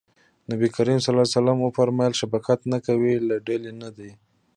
نبي کريم ص وفرمایل شفقت نه کوي له ډلې نه دی.